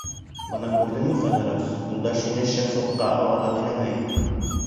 — Бына, күрәһеңме, Ҡыҙырас, Юлдаш һине шефлыҡҡа алырға теләмәй.